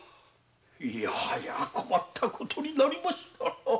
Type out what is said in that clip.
いやはや困ったことになりました。